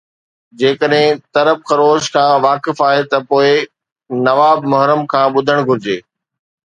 جيڪڏهن ترب خروش کان واقف آهي ته پوءِ نواءِ محرم کي ٻڌڻ گهرجي